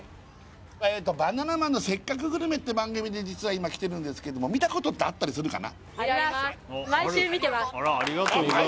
「バナナマンのせっかくグルメ！！」って番組で今来てるんですけども見たことってあったりするかな？